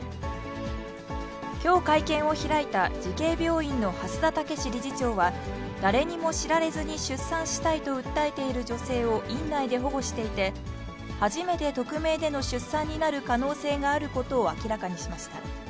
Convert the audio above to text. きょう会見を開いた慈恵病院の蓮田健理事長は、誰にも知られずに出産したいと訴えている女性を院内で保護していて、初めて匿名での出産になる可能性があることを明らかにしました。